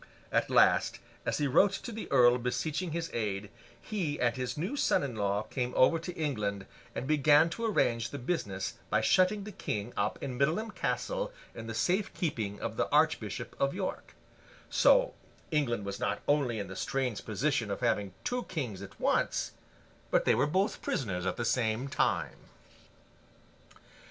At last, as he wrote to the earl beseeching his aid, he and his new son in law came over to England, and began to arrange the business by shutting the King up in Middleham Castle in the safe keeping of the Archbishop of York; so England was not only in the strange position of having two kings at once, but they were both prisoners at the same time.